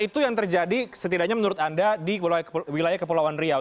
itu yang terjadi setidaknya menurut anda di wilayah kepulauan riau